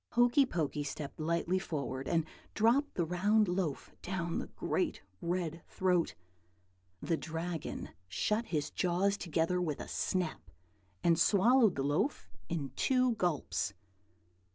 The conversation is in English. Hokey Pokey stepped lightly forward, and dropped the round loaf down the great red throat. The Dragon shut his jaws together with a snap, and swallowed the loaf in two gulps.